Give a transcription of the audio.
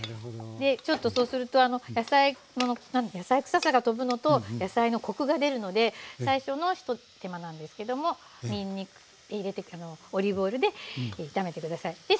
でちょっとそうすると野菜くささが飛ぶのと野菜のコクが出るので最初の一手間なんですけどもにんにく入れてオリーブオイルで炒めて下さい。